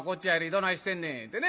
どないしてんねん」言うてね。